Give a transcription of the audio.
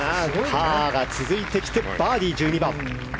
パーが続いてきてバーディー、１２番。